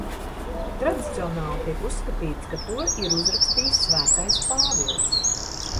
Tradicionāli tiek uzskatīts, ka to ir uzrakstījis Svētais Pāvils.